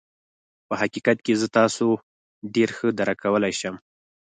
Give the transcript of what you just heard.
په حقيقت کې زه تاسو ډېر ښه درک کولای شم.